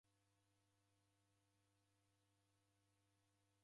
Waw'ededa itana